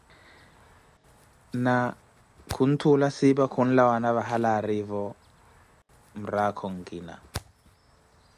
Na khunthuula Siipa khunlawana vahali aarivo mraakho nkina.